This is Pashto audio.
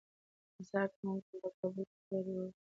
سهار ته ممکن په کابل کې واوره ووریږي.